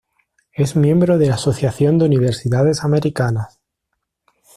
Es miembro de la Asociación de Universidades Americanas.